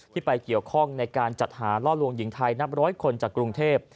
ไปเกี่ยวข้องในการจัดหาล่อลวงหญิงไทยนับร้อยคนจากกรุงเทพ